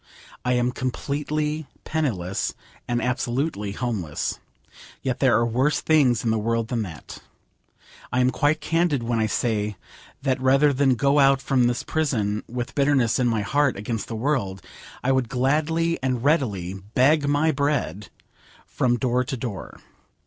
I am completely penniless, and absolutely homeless. Yet there are worse things in the world than that. I am quite candid when I say that rather than go out from this prison with bitterness in my heart against the world, I would gladly and readily beg my bread from door to door.